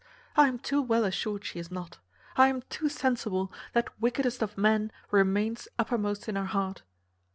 I am too well assured she is not; I am too sensible that wickedest of men remains uppermost in her heart."